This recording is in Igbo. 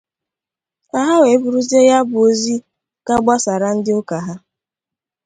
ka ha wee buruzie ya bụ ozi ga gbasaara ndị ụka ha